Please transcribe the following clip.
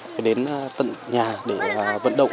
phải đến tận nhà để vận động